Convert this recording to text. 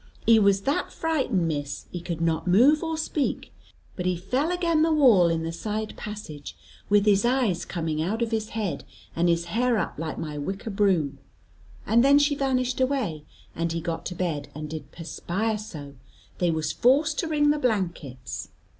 "He was that frightened, Miss, he could not move or speak; but he fell again the wall in the side passage, with his eyes coming out of his head, and his hair up like my wicker broom. And then she vanished away, and he got to bed, and did perspire so, they was forced to wring the blankets."